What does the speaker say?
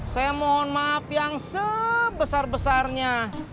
saya mohon maaf yang sebesar besarnya